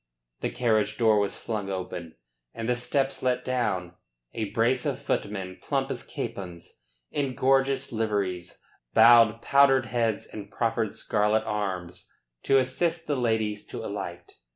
The carriage door was flung open and the steps let down. A brace of footmen, plump as capons, in gorgeous liveries, bowed powdered heads and proffered scarlet arms to assist the ladies to alight.